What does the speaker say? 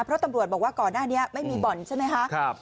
เพราะตำรวจบอกว่าก่อนหน้านี้ไม่มีบ่อนใช่ไหมคะ